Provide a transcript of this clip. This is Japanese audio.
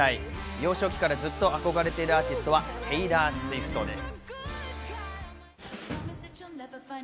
幼少期からずっと憧れているアーティストはテイラー・スウィフトです。